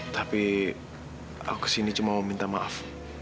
tapi aku kesini cuma minta maaf